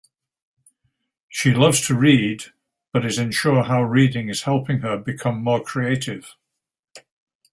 She loves to read, but is unsure how reading is helping her become more creative.